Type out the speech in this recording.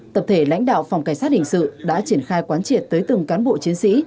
tập thể lãnh đạo phòng cảnh sát hình sự đã triển khai quán triệt tới từng cán bộ chiến sĩ